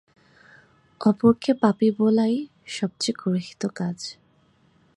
অপরকে পাপী বলাই সবচেয়ে গর্হিত কাজ।